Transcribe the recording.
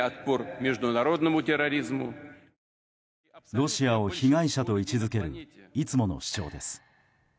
ロシアを被害者と位置付けるいつもの主張です。